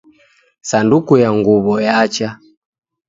Sanduku ya nguw'o yacha